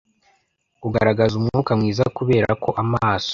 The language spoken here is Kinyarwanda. Kugaragaza umwuka mwiza kuberako amaso